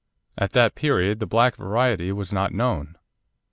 At that period the black variety was not known.